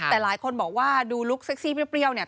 แต่หลายคนบอกว่าดูลุคเซ็กซี่เปรี้ยวเนี่ย